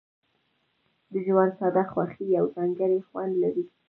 د ژوند ساده خوښۍ یو ځانګړی خوند لري.